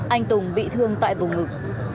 anh tùng bị thương tại vùng ngực